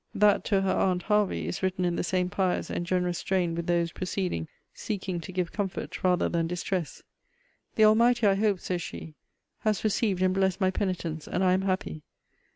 That to her aunt Hervey is written in the same pious and generous strain with those preceding, seeking to give comfort rather than distress. 'The Almighty, I hope,' says she, 'has received and blessed my penitence, and I am happy.